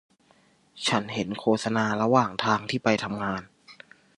ฉันเห็นโฆษณาระหว่างทางที่ไปทำงาน